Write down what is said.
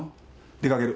出かける。